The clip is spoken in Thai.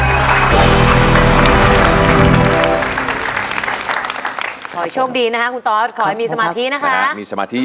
ขอให้โชคดีนะคะคุณตอธขอให้มีสมาธินะคะ